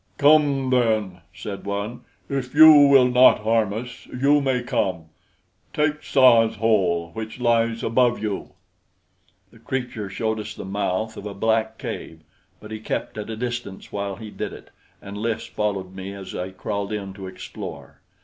"Come, then," said one. "If you will not harm us, you may come. Take Tsa's hole, which lies above you." The creature showed us the mouth of a black cave, but he kept at a distance while he did it, and Lys followed me as I crawled in to explore.